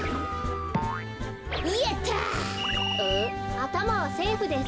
あたまはセーフです。